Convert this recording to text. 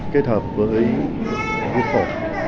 kết hợp với vụ khổ